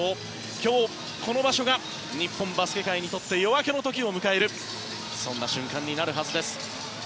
今日、この場所が日本バスケ界にとって夜明けの時を向かるそんな瞬間になるはずです。